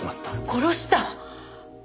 殺した！？